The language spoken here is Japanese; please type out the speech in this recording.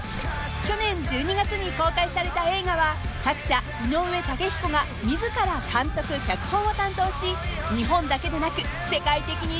［去年１２月に公開された映画は作者井上雄彦が自ら監督脚本を担当し日本だけでなく世界的に大ヒット］